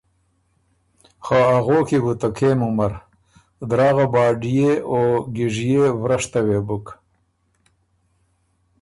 خه اغوک يې بو ته کېم عمر۔ دراغه باډيې او ګیژيے ورشته وې بُک۔